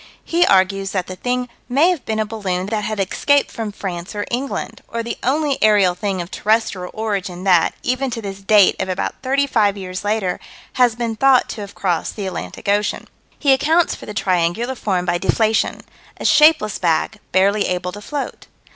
He argues that the thing may have been a balloon that had escaped from France or England or the only aerial thing of terrestrial origin that, even to this date of about thirty five years later, has been thought to have crossed the Atlantic Ocean. He accounts for the triangular form by deflation "a shapeless bag, barely able to float."